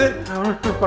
aku mau makan